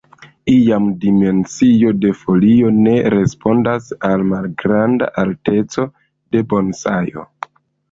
Iam dimensio de folio ne respondas al malgranda alteco de bonsajo.